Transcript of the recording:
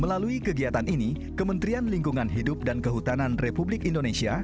melalui kegiatan ini kementerian lingkungan hidup dan kehutanan republik indonesia